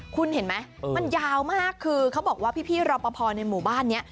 คุณเห็นไหมมันยาวมากคือเขาบอกว่าพี่รอปภในหมู่บ้านนี้